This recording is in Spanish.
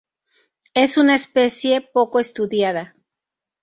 Es una especie poco estudiada.